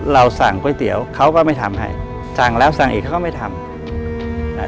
เราสั่งก๋วยเตี๋ยวเขาก็ไม่ทำให้สั่งแล้วสั่งอีกเขาก็ไม่ทำอ่า